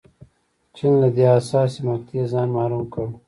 چین له دې حساسې مقطعې ځان محروم کړ.